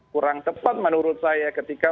kurang tepat menurut saya ketika